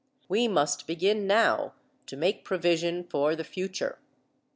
We must begin now to make provision for the future.